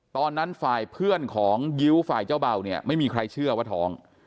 ตอนนั้นฝ่ายเพื่อนของยิ้วฝ่ายเจ้าเบาเนี่ยไม่มีใครเชื่อว่าท้อง